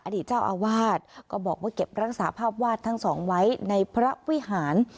เจ้าอาวาสก็บอกว่าเก็บรักษาภาพวาดทั้งสองไว้ในพระวิหาร